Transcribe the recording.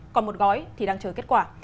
còn một gói thì đang chờ kết quả